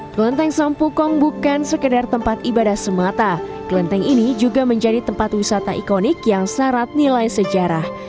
kelenteng sampukong bukan sekedar tempat ibadah semata kelenteng ini juga menjadi tempat wisata ikonik yang syarat nilai sejarah